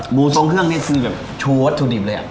หมูทรงเครื่องและเองชูดถูกดิบเลย